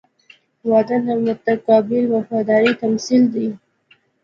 • واده د متقابل وفادارۍ تمثیل دی.